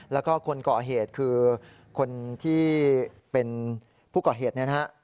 แล้วก็คนก่อเหตุคือคนที่เป็นผู้ก่อเหตุเนี่ยนะฮะ